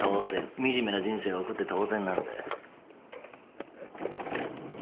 惨めな人生を送って当然なんだよ。